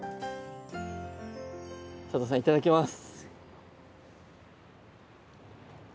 佐藤さんいただきます！